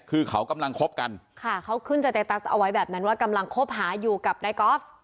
คือเขากำลังคบกันค่ะเขาขึ้นสเตตัสเอาไว้แบบนั้นว่ากำลังคบหาอยู่กับนายกอล์ฟ